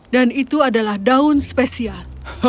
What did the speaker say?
dan itu adalah daun spesial